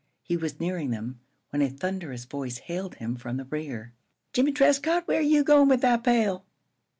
He was nearing them, when a thunderous voice hailed him from the rear: "Jimmie Trescott, where you goin' with that pail?"